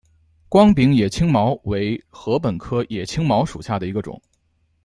光柄野青茅为禾本科野青茅属下的一个种。